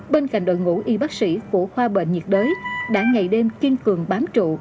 bên cạnh đội ngũ y bác sĩ của khoa bệnh nhiệt đới đã ngày đêm kiên cường bám trụ